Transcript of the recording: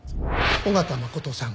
緒方真琴さん。